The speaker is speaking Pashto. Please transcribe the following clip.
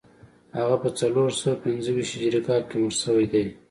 هغه په څلور سوه پنځه ویشت هجري کال کې مړ شوی دی